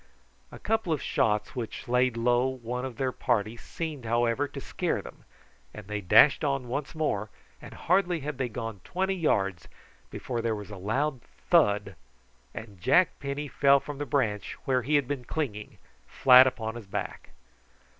A couple of shots which laid low one of their party seemed, however, to scare them, and they dashed on once more, and hardly had they gone twenty yards before there was a loud thud and Jack Penny fell from the branch, where he had been clinging, flat upon his back.